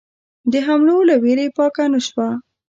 د حملو له وېرې پاکه نه شوه.